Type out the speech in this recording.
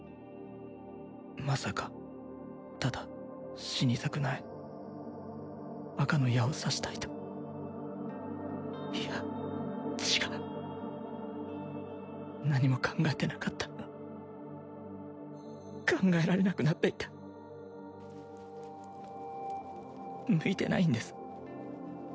まさかただ死にたくない赤の矢を刺したいといや違う何も考えてなかった考えられなくなっていた向いてないんです